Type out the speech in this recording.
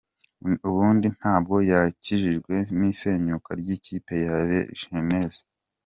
Ubundi na bwo yakijijwe n’isenyuka ry’ikipe ya La Jeunesse.